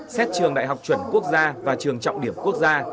xét trường đại học chuẩn quốc gia và trường trọng điểm quốc gia